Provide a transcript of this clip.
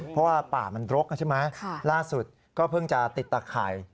เพราะว่าป่ามันรกใช่ไหมล่าสุดก็เพิ่งจะติดตะไข่